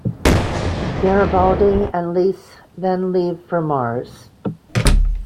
Garibaldi and Lise then leave for Mars.